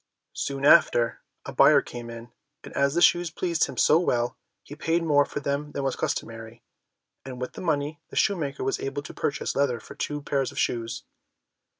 Soon after, a buyer came in, and as the shoes pleased him so well, he paid more for them than was customary, and, with the money, the shoemaker was able to purchase leather for two pairs of shoes.